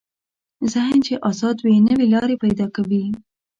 ذهن چې ازاد وي، نوې لارې پیدا کوي.